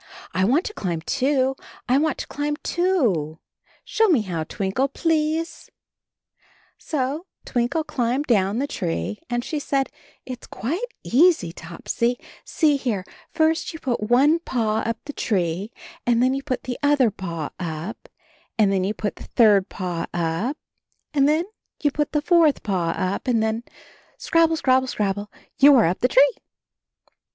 I want to climb, too; I want to climb, too. Show me how. Twinkle, please So Twinkle climbed down the tree and she said, "It's quite easy, Topsy; see here, first you put one paw up the tree, and then you put the other paw up, and then you put the third paw up, and then you put the fourth paw up, and then — scrabble, scrabble, scrab ble, you are up the tree."